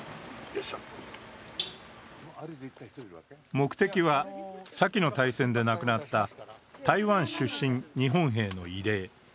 目的は先の大戦で亡くなった台湾出身日本兵の慰霊。